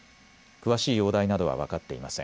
詳しい容体などは分かっていません。